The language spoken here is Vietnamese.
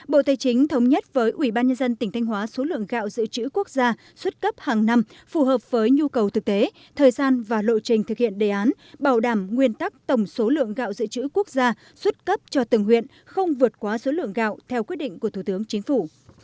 bộ tây chính thống nhất với ủy ban nhân dân tỉnh thanh hóa số lượng gạo dự trữ quốc gia xuất cấp hàng năm phù hợp với nhu cầu thực tế thời gian và lộ trình thực hiện đề án bảo đảm nguyên tắc tổng số lượng gạo dự trữ quốc gia xuất cấp cho từng huyện không vượt quá số lượng gạo theo quyết định của thủ tướng chính phủ